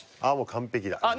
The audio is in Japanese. あっもう完璧だ。